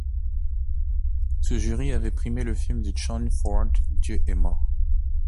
Ce jury avait primé le film de John Ford Dieu est mort.